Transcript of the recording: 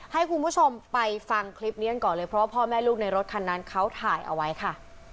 ให้คุณผู้ชมไปฟังคลิปนี้กันก่อนเลยเพราะว่าพ่อแม่ลูกในรถคันนั้นเขาถ่ายเอาไว้ค่ะ